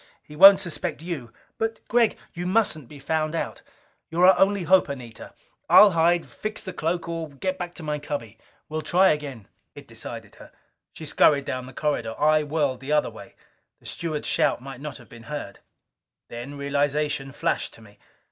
He won't suspect you!" "But, Gregg " "You mustn't be found out. You're our only hope, Anita! I'll hide, fix the cloak, or get back to my cubby. We'll try again." It decided her. She scurried down the corridor. I whirled the other way. The steward's shout might not have been heard. Then realization flashed to me.